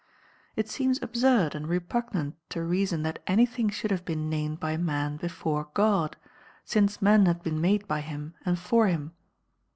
It seems absurtl and re])ugnant to reason that anything s!iould have been named by mnn before God, since man had been made by him and for liim.